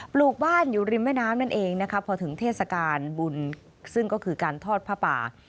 ลูกบ้านอยู่ริมแม่น้ำนั่นเองนะคะพอถึงเทศกาลบุญซึ่งก็คือการทอดผ้าป่า